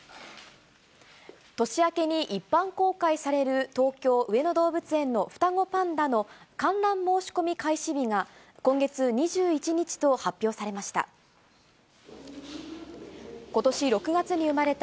年明けに一般公開される、東京・上野動物園の双子パンダの観覧申し込み開始日が、今月２１日と発表されました。